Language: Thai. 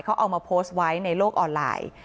เขาเอามาโพสต์ไว้ในโลกออนไลน์